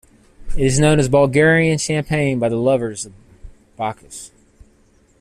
It is known as Bulgarian Champagne by the lovers of Bacchus.